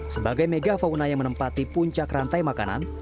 sebagai mega fauna yang menempati puncak rantai makanan